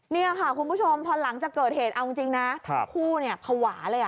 นี่ค่ะคุณผู้ชมพอหลังจากเกิดเหตุเอาจริงนะทั้งคู่เนี่ยภาวะเลย